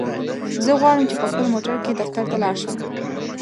زه غواړم چی په خپل موټرکی دفترته لاړشم.